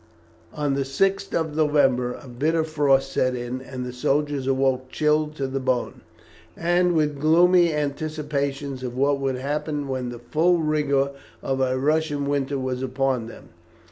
On the 6th of November a bitter frost set in, and the soldiers awoke chilled to the bone, and with gloomy anticipations of what would happen when the full rigour of a Russian winter was upon them.